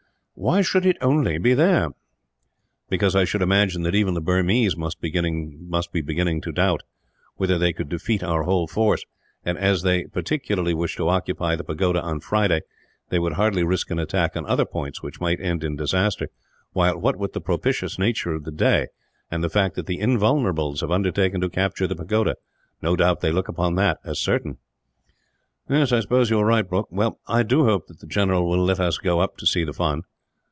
"Why should it only be there?" "Because I should imagine that even the Burmese must be beginning to doubt whether they could defeat our whole force and, as they particularly wish to occupy the pagoda on Friday, they would hardly risk an attack on other points, which might end in disaster while, what with the propitious nature of the day, and the fact that the Invulnerables have undertaken to capture the pagoda, no doubt they look upon that as certain." "I suppose that you are right, Brooke. Well, I do hope that the general will let us go up to see the fun."